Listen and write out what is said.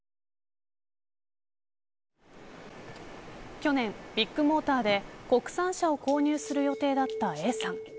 去年ビッグモーターで国産車を購入する予定だったＡさん。